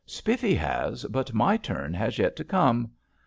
"Spiffy has, but my turn has yet to come.